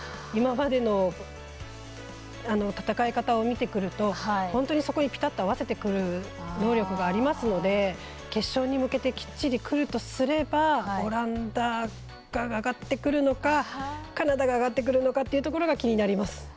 今までの戦い方を見てくると本当に、そこにピタッと合わせてくる能力がありますので決勝に向けてきっちりくるとすればオランダが上がってくるのかカナダが上がってくるのかというところが気になります。